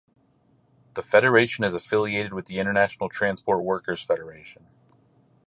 The federation is affiliated with the International Transport Workers Federation.